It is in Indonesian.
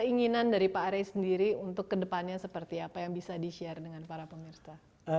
keinginan dari pak ary sendiri untuk kedepannya seperti apa yang bisa di share dengan para pemirsa